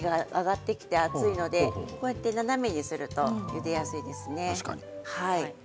真上に立てると蒸気が上がってきて熱いので、こうやって斜めにするとゆでやすいですね。